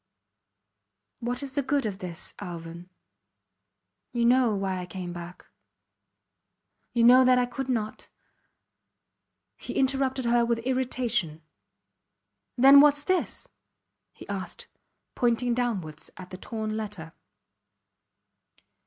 What is the good of this, Alvan? ... You know why I came back. ... You know that I could not ... He interrupted her with irritation. Then! whats this? he asked, pointing downwards at the torn letter.